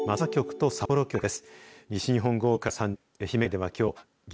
松山局と札幌局です。